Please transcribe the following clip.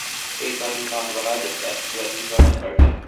এই কারণও আবার এক পুরাতন কারণের কার্য।